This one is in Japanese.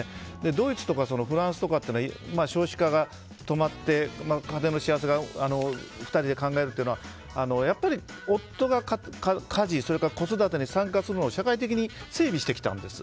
ドイツとかフランスとかは少子化が止まって家庭の幸せを２人で考えるというのはやっぱり夫が家事、子育てに参加するのを社会的に整備してきたんです。